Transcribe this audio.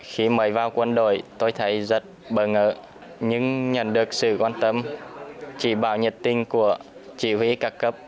khi mới vào quân đội tôi thấy rất bỡ ngỡ nhưng nhận được sự quan tâm chỉ bảo nhiệt tình của chỉ huy các cấp